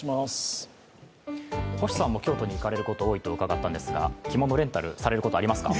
星さんも京都に行かれること、多いと伺ったんですが着物レンタル、されることありますか？